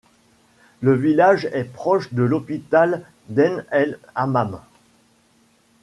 Le village est proche de l'hôpital d'Ain El Hammam.